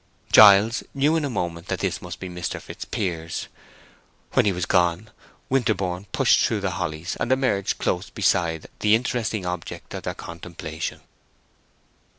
Giles knew in a moment that this must be Mr. Fitzpiers. When he was gone, Winterborne pushed through the hollies, and emerged close beside the interesting object of their contemplation.